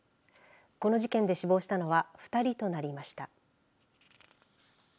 この事件で死亡したのは２人となりました。